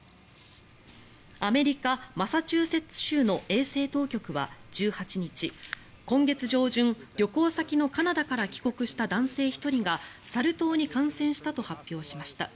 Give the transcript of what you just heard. アメリカ・マサチューセッツ州の衛生当局は１８日今月上旬、旅行先のカナダから帰国した男性１人がサル痘に感染したと発表しました。